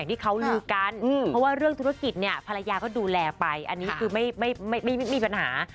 เพราะว่าเรื่องธุรกิจเนี่ยภรรยาก็ดูแลไปอันนี้คือไม่มีปัญหา